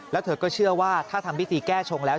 แล้วเธอก็เชื่อว่าถ้าทำพิธีแก้ชงแล้ว